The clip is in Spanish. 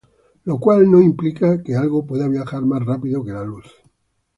Sin embargo ello no implica que algo pueda viajar más rápido que la luz.